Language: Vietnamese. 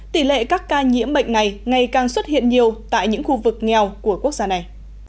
tỷ lệ các ca nhiễm bệnh này ngày càng xuất hiện nhiều tại những khu vực nghèo của quốc gia này